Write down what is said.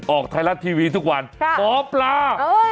ออกไทยรัฐทีวีทุกวันหมอปลา